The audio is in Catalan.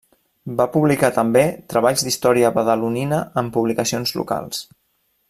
Va publicar també treballs d'història badalonina en publicacions locals.